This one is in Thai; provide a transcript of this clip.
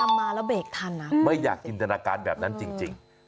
คือคันนี้ตามมาแล้วเบรกทันนะไม่อยากกินธนาการแบบนั้นจริง